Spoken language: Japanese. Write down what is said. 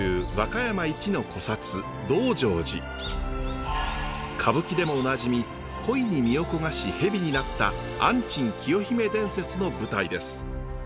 歌舞伎でもおなじみ恋に身を焦がし蛇になった安珍清姫伝説の舞台です。